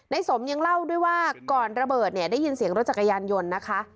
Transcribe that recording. สมยังเล่าด้วยว่าก่อนระเบิดเนี่ยได้ยินเสียงรถจักรยานยนต์นะคะ